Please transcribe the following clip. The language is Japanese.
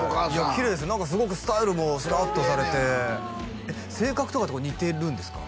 きれいです何かすごくスタイルもスラーッとされてえっ性格とか似てるんですか？